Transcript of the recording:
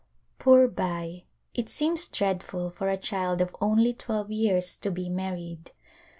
Poor Bai ! it seems dreadful for a child of only twelve years to be married.